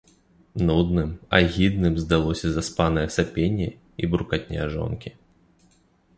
Нудным, агідным здалося заспанае сапенне і буркатня жонкі.